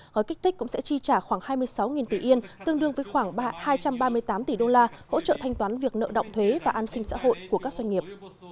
gói kích thích cũng sẽ chi trả khoảng hai mươi sáu tỷ yên tương đương với khoảng hai trăm ba mươi tám tỷ đô la hỗ trợ thanh toán việc nợ động thuế và an sinh xã hội của các doanh nghiệp